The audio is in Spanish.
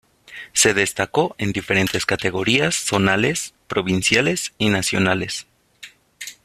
Se destacó en diferentes categorías zonales, provinciales y nacionales.